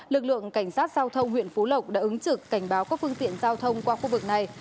lực lượng cảnh sát giao thông huyện phú lộc đã ứng trực cảnh báo các phương tiện giao thông qua khu vực này